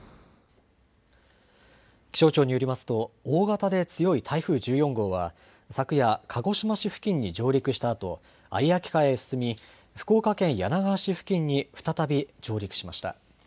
気象庁によりますと、大型で強い台風１４号は昨夜、鹿児島市付近に上陸したあと、有明海へ進み、福岡県柳川市付近に再び上陸しました。